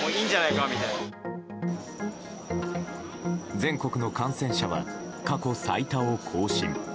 全国の感染者は過去最多を更新。